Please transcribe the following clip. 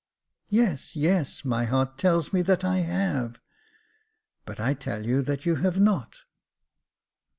" Yes, yes ; my heart tells me that I have." " But I tell you that you have not.